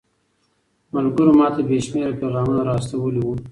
ملګرو ماته بې شمېره پيغامونه را استولي وو.